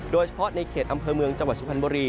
โดยเฉพาะในเขตอำเภอเมืองจังหวัดสุพรรณบุรี